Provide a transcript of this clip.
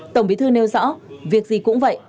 tổng bí thư nêu rõ việc gì cũng vậy